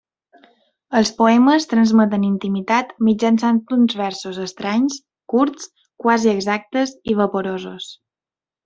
Els poemes transmeten intimitat mitjançant uns versos estranys, curts, quasi exactes i vaporosos.